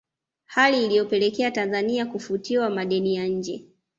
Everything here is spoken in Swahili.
Hali iliyopelekea Tanzania kufutiwa madeni ya nje